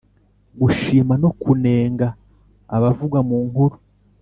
-gushima no kunenga abavugwa mu nkuru;